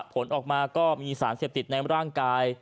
ผลออกมาก็มีสารเสพติดในร่างกาย